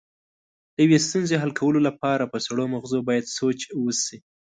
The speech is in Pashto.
د یوې ستونزې حل کولو لپاره په سړو مغزو باید سوچ وشي.